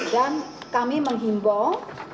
dan kami menghimbau